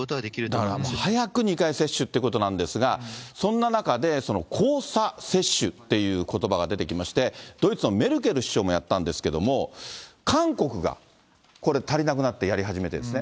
だから、早く２回接種ということなんですが、そんな中で、交差接種っていうことばが出てきまして、ドイツのメルケル首相もやったんですけども、韓国が、これ、足りなくなって、やり始めてるんですね。